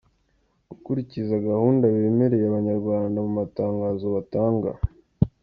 Gukurikiza gahunda bemereye abanyarwanda mu matangazo batanga